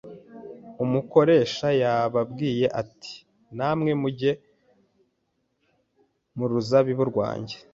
umukoresha yababwiye ati, “[Namwe mujye mu ruzabibu rwanjye],